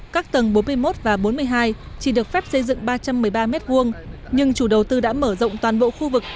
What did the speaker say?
các tầng bốn mươi một và bốn mươi hai chỉ được phép xây dựng ba trăm một mươi ba m hai nhưng chủ đầu tư đã mở rộng toàn bộ khu vực